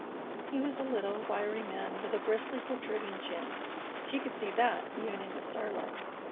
He was a little, wiry man with a bristly, protruding chin. She could see that, even in the starlight.